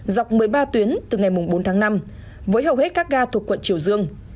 dọc một mươi ba tuyến từ ngày bốn tháng năm với hầu hết các ga thuộc quận triều dương